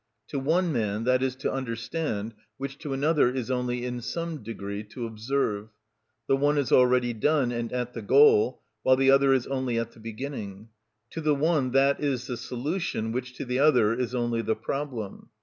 To one man that is to understand which to another is only in some degree to observe; the one is already done and at the goal while the other is only at the beginning; to the one that is the solution which to the other is only the problem.